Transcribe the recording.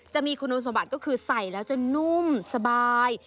จะมีคุณสมบัติก็คือใส่แล้วจะนุ่มสบาย